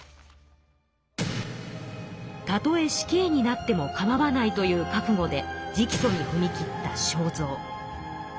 たとえ死刑になっても構わないという覚悟で直訴にふみ切った正造。